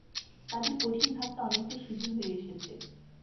কাজের কঠিন ভাগটা অনেকটা সিধে হয়ে এসেছে।